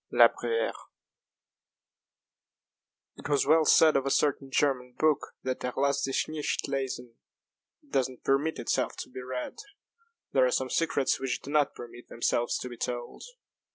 La Bruyère IT was well said of a certain German book that "er lasst sich nicht lesen" it does not permit itself to be read. There are some secrets which do not permit themselves to be told.